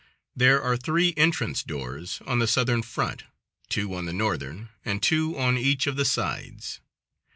There are three entrance doors on the southern front, two on the northern, and two on each of the sides.